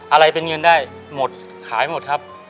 อะไรเป็นเงินได้หมดขายหมดครับ